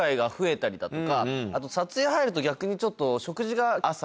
あと撮影入ると逆にちょっと。